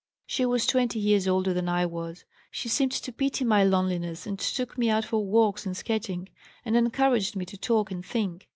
She was twenty years older than I was. She seemed to pity my loneliness and took me out for walks and sketching, and encouraged me to talk and think.